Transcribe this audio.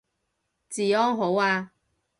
治安好啊